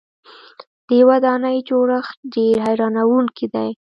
د دې ودانۍ جوړښت ډېر حیرانوونکی دی.